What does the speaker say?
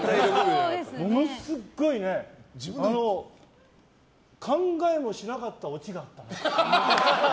ものすごいね考えもしなかったオチがあったね。